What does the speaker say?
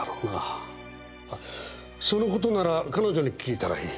あっそのことなら彼女に訊いたらいい。